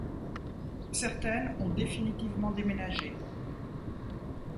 Certaines ont définitivement déménagé.